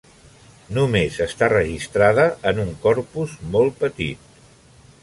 Només està registrada en un corpus molt petit.